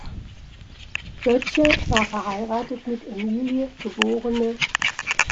Böttcher war verheiratet mit Emilie geb.